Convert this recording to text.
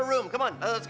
aku suka rukus bang